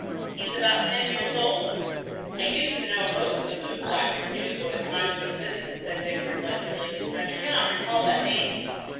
"He is about ten years old?" "I used to know most of the boot blacks and newsboys when I was in the business," said Dick, reflectively; "but I cannot recall that name."